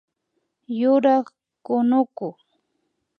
Yurak kunuku